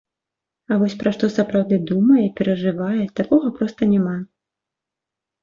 А вось пра што сапраўды думае, перажывае, такога проста няма.